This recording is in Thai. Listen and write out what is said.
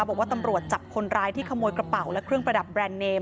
บอกว่าตำรวจจับคนร้ายที่ขโมยกระเป๋าและเครื่องประดับแรนด์เนม